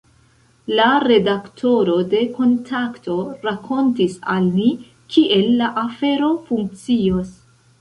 La redaktoro de Kontakto, rakontis al ni, kiel la afero funkcios.